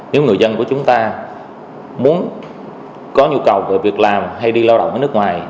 nếu người dân của chúng ta muốn có nhu cầu về việc làm hay đi lao động ở nước ngoài